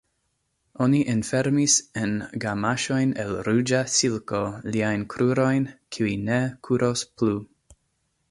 Oni enfermis en gamaŝojn el ruĝa silko liajn krurojn, kiuj ne kuros plu.